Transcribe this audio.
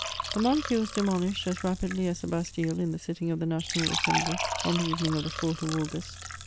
The monarchy was demolished as rapidly as the Bastille • in the sitting of the National Assembly on the evening of the 4th of August.